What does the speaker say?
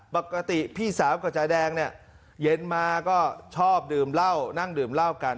ปกติพี่สาวกับจาแดงเนี่ยเย็นมาก็ชอบดื่มเหล้านั่งดื่มเหล้ากัน